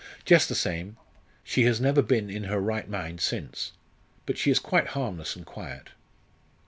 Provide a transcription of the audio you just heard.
"Just the same. She has never been in her right mind since. But she is quite harmless and quiet."